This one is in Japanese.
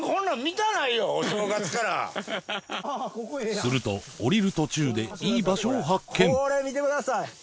すると下りる途中でいい場所を発見見てください